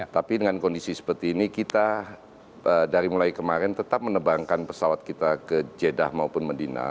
tapi dengan kondisi seperti ini kita dari mulai kemarin tetap menebangkan pesawat kita ke jeddah maupun medina